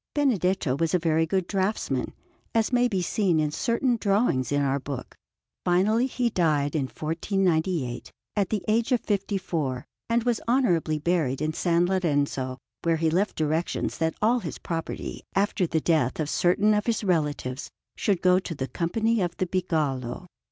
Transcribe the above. Benedetto was a very good draughtsman, as may be seen in certain drawings in our book. Finally he died in 1498, at the age of fifty four, and was honourably buried in S. Lorenzo; and he left directions that all his property, after the death of certain of his relatives, should go to the Company of the Bigallo.